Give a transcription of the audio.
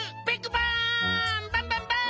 バンバンバーン！